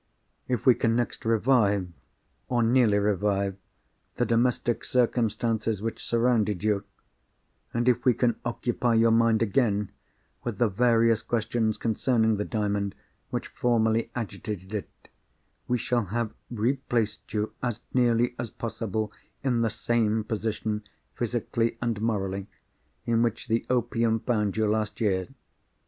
If we can next revive, or nearly revive, the domestic circumstances which surrounded you; and if we can occupy your mind again with the various questions concerning the Diamond which formerly agitated it, we shall have replaced you, as nearly as possible in the same position, physically and morally, in which the opium found you last year.